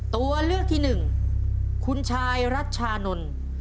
ตัวเลือกที่หนึ่งคุณชายรัชชานนท์